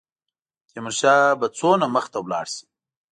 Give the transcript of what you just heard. تیمورشاه به څومره مخته ولاړ شي.